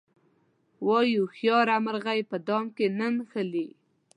وایي هوښیاره مرغۍ په دام کې نه نښلي.